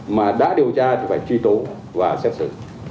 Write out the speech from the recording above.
mà đã điều tra thì phải truy tố và xét xử